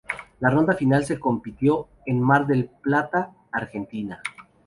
La Ronda Final se compitió en Mar del Plata, Argentina.